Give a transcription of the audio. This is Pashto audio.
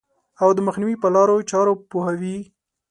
او د مخنیوي په لارو چارو پوهوي.